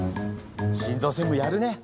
心ぞう専務やるね。